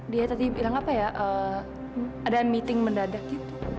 dia tadi bilang apa ya ada meeting mendadak gitu